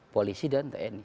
polisi dan tni